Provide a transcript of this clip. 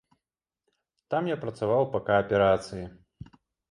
Там я працаваў па кааперацыі.